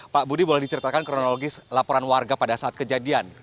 pak budi boleh diceritakan kronologis laporan warga pada saat kejadian